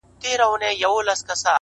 حکمت د تجربې مېوه ده!